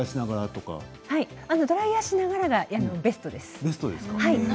ドライヤーしながらがベストです。